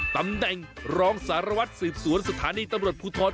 ตำแหน่งรองสารวัตรสืบสวนสถานีตำรวจภูทร